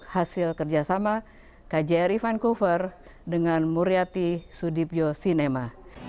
hasil kerjasama kjri vancouver dengan muriati sudipjo sinema